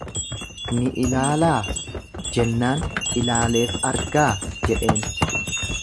Ni ilaalaa? Jennaan, ilaaleef argaa? jedheen.